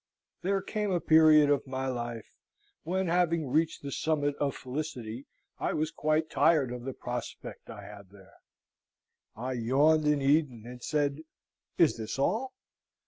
There came a period of my life, when having reached the summit of felicity I was quite tired of the prospect I had there: I yawned in Eden, and said, "Is this all?